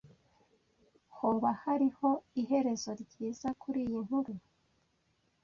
Hoba hariho iherezo ryiza kuriyi nkuru?